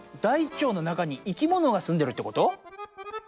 大腸の中に生き物がすんでるってこと？